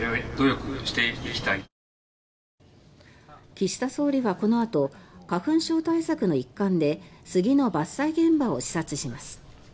岸田総理はこのあと花粉症対策の一環で杉の伐採現場を視察します。